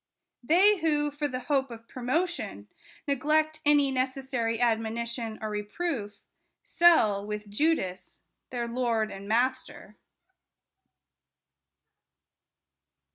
They who, for the hope of promotion, neglect any necessary admonition or reproof, sell (with Judas) their Lord and Master.